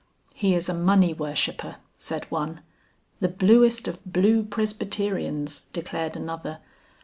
"He is a money worshipper," said one. "The bluest of blue Presbyterians," declared another.